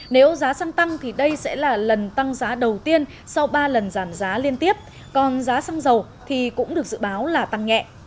nếu giá xăng tăng thì đây sẽ là lần tăng giá đầu tiên sau ba lần giảm giá liên tiếp còn giá xăng dầu thì cũng được dự báo là tăng nhẹ